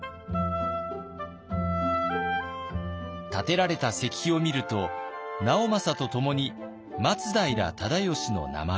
立てられた石碑を見ると直政とともに松平忠吉の名前が。